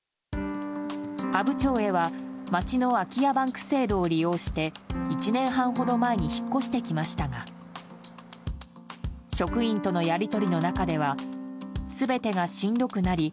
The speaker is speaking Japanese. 阿武町へは町の空き家バンク制度を利用して１年半ほど前に引っ越してきましたが職員とのやり取りの中では全てがしんどくなり